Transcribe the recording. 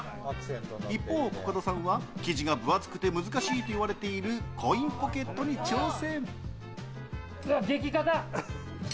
一方、コカドさんは生地が分厚くて難しいといわれているコインポケットに挑戦。